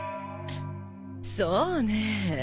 そうねぇ。